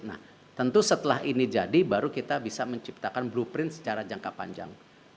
nah tentu setelah ini jadi baru kita bisa menciptakan blueprint secara jangka panjang